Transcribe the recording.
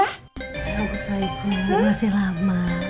tidak usah ibu masih lama